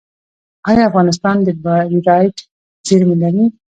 آیا افغانستان د بیرایت زیرمې لري؟